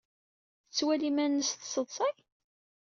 Tettwali iman-nnes tesseḍsay?